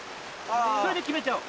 それで決めちゃおう。